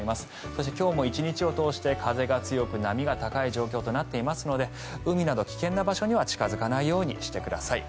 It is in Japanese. そして、今日も１日を通して風が強く波が高い状況となっていますので海など危険な場所には近付かないようにしてください。